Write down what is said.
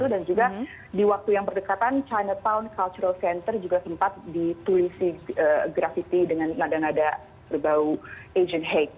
dan juga di waktu yang berdekatan chinatown cultural center juga sempat ditulisi grafiti dengan nada nada berbau asian hate